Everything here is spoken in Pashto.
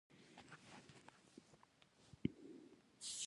د دېرش ځوانو شخصیتونو په لړ کې یې حقوق بشر فعالیت کاوه.